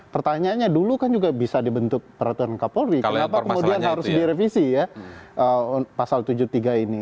pertanyaannya dulu kan juga bisa dibentuk peraturan kapolri kenapa kemudian harus direvisi ya pasal tujuh puluh tiga ini